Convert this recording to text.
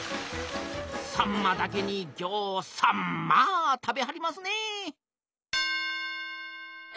さんまだけにぎょうさんまあ食べはりますね。